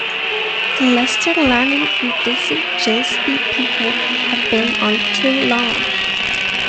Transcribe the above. The Lester Lanin and Dizzy Gillespie people have been on too long.